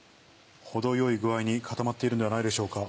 程よい具合に固まっているんではないでしょうか？